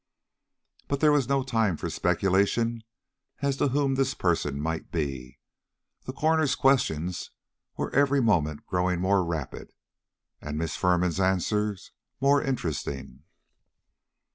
But there was no time for speculation as to whom this person might be. The coroner's questions were every moment growing more rapid, and Miss Firman's answers more interesting.